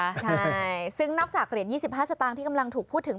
ใช่ซึ่งนอกจากเหรียญ๒๕สตางค์ที่กำลังถูกพูดถึง